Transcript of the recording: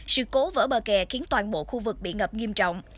sự cố vỡ bờ kè khiến toàn bộ khu vực bị ngập nghiêm trọng